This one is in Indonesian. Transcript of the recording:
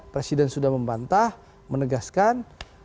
presiden sudah membantah menegaskan